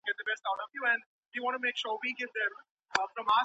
ولي لېواله انسان د ذهین سړي په پرتله بریا خپلوي؟